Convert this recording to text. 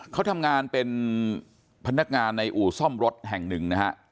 เขาทำงานเป็นพนักงานในอู่ซ่อมรถแห่งหนึ่งนะฮะ